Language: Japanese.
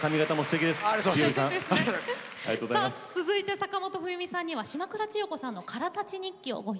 続いて坂本冬美さんには島倉千代子さんの「からたち日記」をご披露いただきます。